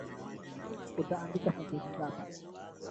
Uta andika sentensi ngapi?